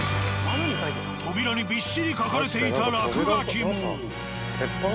扉にびっしり書かれていた落書きも。